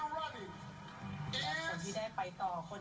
ข้อมูลเข้ามาดูครับ